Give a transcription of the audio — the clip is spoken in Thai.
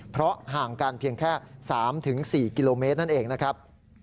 เพราะห่างกันเพียงแค่๓๔กิโลเมตรนั่นเองนะครับ